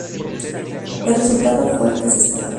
El resultado fue el que se esperaba.